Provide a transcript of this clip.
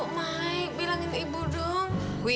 maik bilangin ibu dong